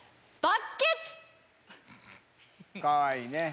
かわいいね。